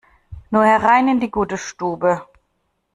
Nur herein in die gute Stube!